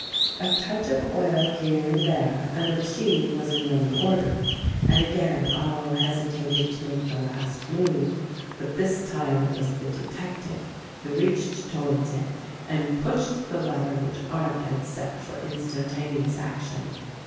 A touch of oil here and there and the machine was in running order, and again all hesitated to make the last move ; but this time it was the detective who reached to wards it and pushed the lever which Arndt had set for instantaneous action.